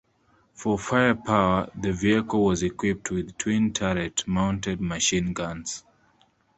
For firepower the vehicle was equipped with twin turret mounted machine guns.